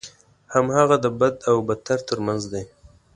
هماغه د بد او بدتر ترمنځ دی.